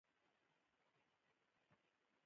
هایدروجن او اکسیجن د اوبو په ترکیب کې دي.